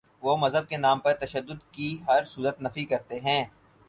وہ مذہب کے نام پر تشدد کی ہر صورت نفی کرتے ہیں۔